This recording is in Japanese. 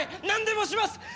何でもします！